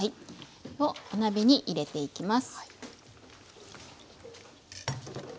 お鍋に入れていきます。